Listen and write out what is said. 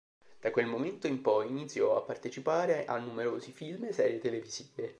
Da quel momento in poi iniziò a partecipare a numerosi film e serie televisive.